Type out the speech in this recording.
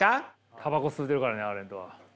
タバコ吸うてるからねアーレントは。